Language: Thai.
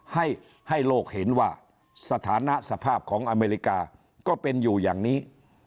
ให้โลกเห็นว่าสถานะสภาพของอเมริกาก็เป็นอยู่อย่างนี้